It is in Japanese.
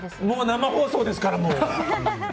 もう生放送ですから！